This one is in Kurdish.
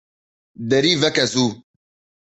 Derî veke zû.